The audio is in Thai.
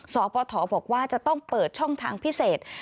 สพบอกว่าจะต้องเปิดช่องทางพิเศษ